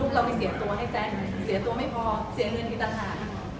เราไปเสียตัวให้แจ๊คเสียตัวไม่พอเสียเงินอีกต่างหาก